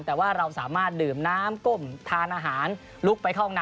แต่ว่าเราสามารถดื่มน้ำก้มทานอาหารลุกไปเข้าห้องน้ำ